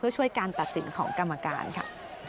เพื่อช่วยการตัดสินของกรรมการค่ะ